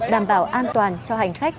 đảm bảo an toàn cho hành khách